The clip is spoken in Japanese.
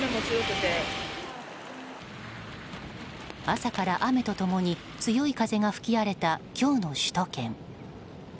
朝から雨と共に強い風が吹き荒れた今日の首都圏。